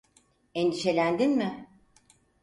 Endişelendin mi?